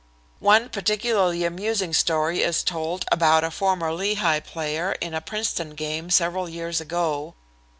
One particularly amusing story is told about a former Lehigh player in a Princeton game several years ago.